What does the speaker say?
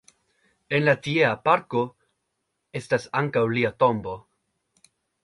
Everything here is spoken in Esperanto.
En la tiea parko estas ankaŭ lia tombo.